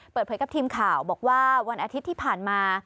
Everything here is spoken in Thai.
เปิดเผยกับทีมข่าวบอกว่าวันอาทิตย์ที่ผ่านมา